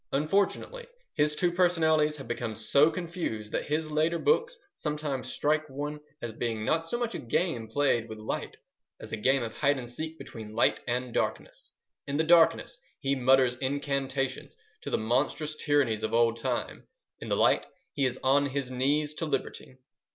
Unfortunately, his two personalities have become so confused that his later books sometimes strike one as being not so much a game played with light as a game of hide and seek between light and darkness. In the darkness he mutters incantations to the monstrous tyrannies of old time: in the light he is on his knees to liberty.